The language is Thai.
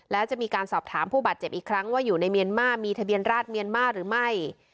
และจะมีการสอบถามผู้บาดเจ็บอีกครั้งว่าอยู่ในเมียนมาร์มีทะเบียนราชเมียนมาร์หรือไม่